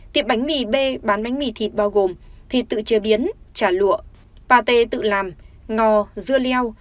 tiệm bánh mì b bán bánh mì thịt bao gồm thịt tự chế biến chả lụa pate tự làm ngò dưa leo